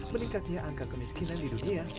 meningkatnya angka kemiskinan di dunia